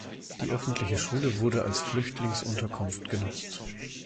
Die öffentliche Schule wurde als Flüchtlingsunterkunft genutzt.